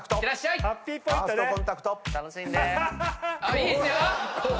いいですよ。